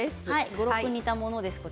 ５、６分煮たものです。